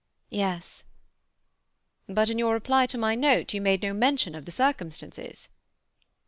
"Yes." "But in your reply to my note you made no mention of the circumstances."